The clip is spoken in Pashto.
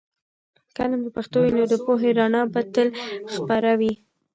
که علم په پښتو وي، نو د پوهې رڼا به تل خپره وي.